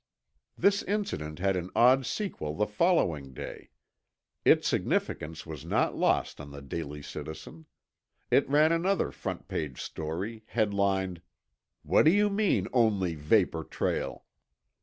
This incident had an odd sequel the following day. Its significance was not lost on the Daily Citizen. It ran another front page story, headlined: WHAT DO YOU MEAN ONLY VAPOR TRAIL?